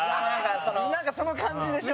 なんか、その感じでしょ？